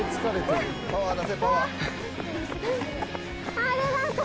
ありがとう！